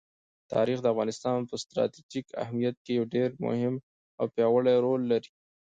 تاریخ د افغانستان په ستراتیژیک اهمیت کې یو ډېر مهم او پیاوړی رول لري.